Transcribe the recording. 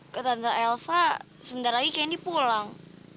ke tante elva sebentar lagi kendi pulang